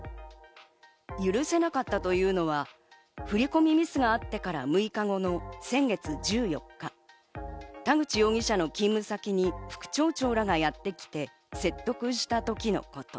許せなかったというのは、振り込みミスがあってから６日後の先月１４日、田口容疑者の勤務先に副町長らがやってきて、説得したときのこと。